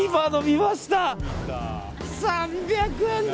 ３００円